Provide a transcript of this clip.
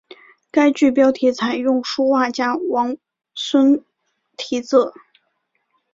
该剧标题采用书画家王王孙题字。